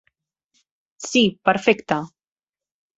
Sí, perfecte.